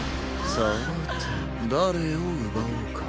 さーて誰を奪おうか？